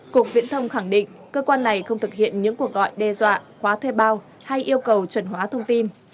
cục viễn thông khẳng định cơ quan này không thực hiện những cuộc gọi đe dọa khóa thuê bao hay yêu cầu chuẩn hóa thông tin